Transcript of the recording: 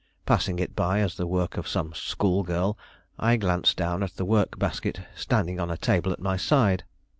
Passing it by as the work of some school girl, I glanced down at the work basket standing on a table at my side.